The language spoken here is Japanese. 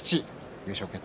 優勝決定